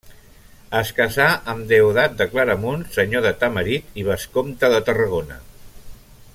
Es casà amb Deodat de Claramunt, senyor de Tamarit i vescomte de Tarragona.